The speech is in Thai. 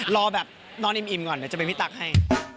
รอแบบนอนอิ่มก่อนเดี๋ยวจะเป็นพี่ตั๊กให้